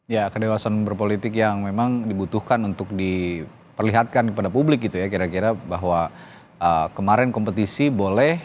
ya kedewasan berpolitik yang memang dibutuhkan untuk diperlihatkan kepada publik gitu ya kira kira bahwa kemarin kompetisi boleh